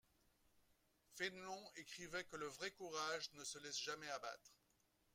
Fénelon écrivait que le vrai courage ne se laisse jamais abattre.